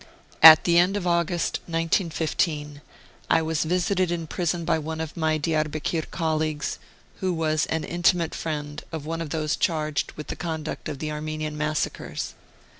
At the end of August, 1915, I was visited in prison by one of my Diarbekir colleagues, who was an intimate friend of one of those charged with the conduct of the Armenian massacres.